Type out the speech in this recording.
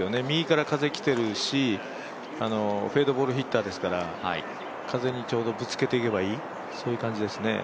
右から風きているしフェードボールヒッターですから風にちょうどぶつけていけばいいという感じですね。